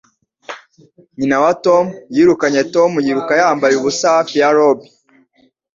Nyina wa Tom yirukanye Tom yiruka yambaye ubusa hafi ya lobby.